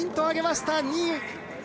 上げました２位。